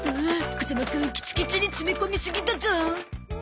風間くんキツキツに詰め込みすぎだゾ。